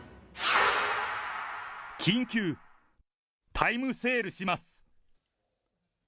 緊急、タイムセールします。